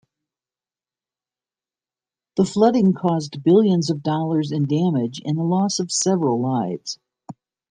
The flooding caused billions of dollars in damage and the loss of several lives.